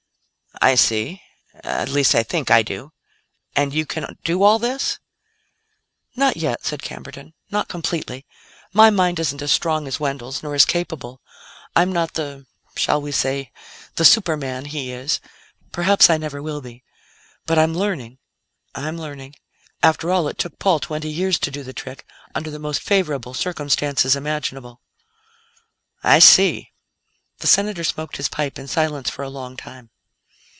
"I see at least, I think I do. And you can do all this?" "Not yet," said Camberton; "not completely. My mind isn't as strong as Wendell's, nor as capable. I'm not the shall we say the superman he is; perhaps I never will be. But I'm learning I'm learning. After all, it took Paul twenty years to do the trick under the most favorable circumstances imaginable." "I see." The Senator smoked his pipe in silence for a long time.